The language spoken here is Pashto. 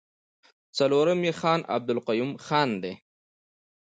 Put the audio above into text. څلورم يې خان عبدالقيوم خان دی.